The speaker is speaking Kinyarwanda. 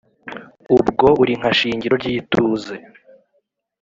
Ubwo uri nka shingiro ryituze.